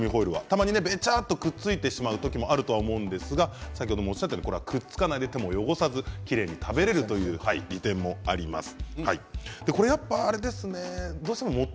たまにべちゃっとくっついてしまう時もあると思うんですがこれはくっつかないで手も汚さずきれいに食べることができるという利点もあります。